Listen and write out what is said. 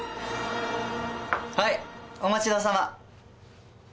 はい、お待ちどおさま。